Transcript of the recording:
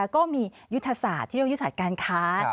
ก็มียุทธศาสตร์ที่เรียกว่ายุทธศาสตร์การค้า